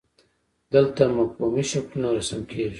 دلته مفهومي شکلونه رسم کیږي.